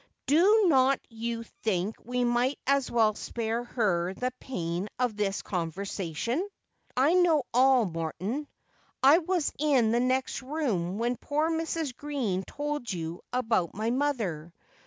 ' Do not vou think we might as well spare her the pain of this conversation V 'I know all, Morton. I was in the next room when poor Mrs. Green told you about my mother.